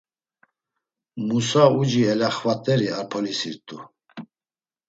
Musa uci elaxvat̆eri a polisirt̆u.